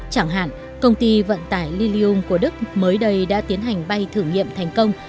chẳng hạn công ty vận tải lilium của đức mới đây đã tiến hành bay thử nghiệm thành công